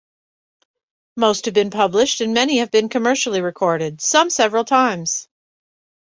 Most have been published and many have been commercially recorded, some several times.